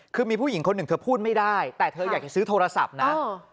คือมีผู้หญิงคนหนึ่งเธอพูดไม่ได้แต่เธออยากจะซื้อโทรศัพท์นะ